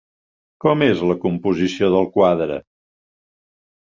Com és la composició del quadre?